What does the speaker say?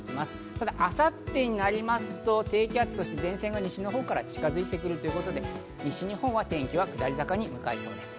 ただ明後日になりますと、低気圧、そして前線が西の方から近づいてくるということで、西日本は天気は下り坂に向かいそうです。